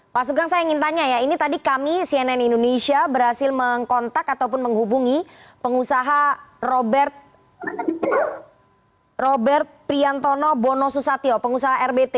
pak sugeng saya ingin tanya ya ini tadi kami cnn indonesia berhasil mengkontak ataupun menghubungi pengusaha robert robert priantono bono susatyo pengusaha rbt